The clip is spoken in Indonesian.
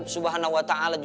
gurang datang ke sini